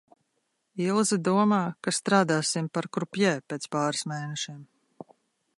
Ilze domā, ka strādāsim par krupjē pēc pāris mēnešiem.